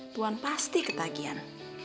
tuhan pasti ketagihan